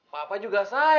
sampai jumpa lagi